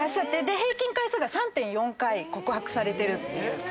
で平均回数が３．４回告白されてるっていう。